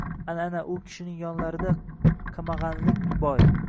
Ana-ana u kishining yonlarida qamag‘anlik boy.